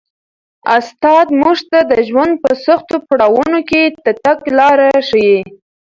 استاد موږ ته د ژوند په سختو پړاوونو کي د تګ لاره ښيي.